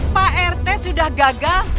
pak rt sudah gagal